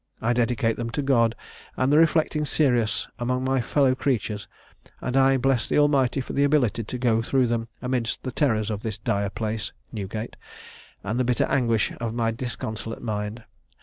I dedicate them to God, and the reflecting serious among my fellow creatures; and I bless the Almighty for the ability to go through them amidst the terrors of this dire place (Newgate), and the bitter anguish of my disconsolate mind!